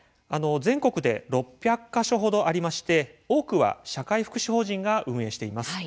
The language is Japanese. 全国で６００か所ほどありまして多くは社会福祉法人が運営しています。